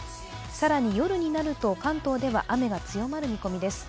更に夜になると関東では雨が強まる見込みです。